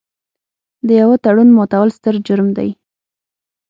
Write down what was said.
د یوه تړون ماتول ستر جرم دی.